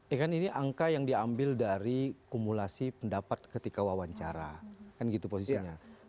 ya kan ini angka yang diambil dari kumulasi pendapat ketika wawancara kan gitu posisinya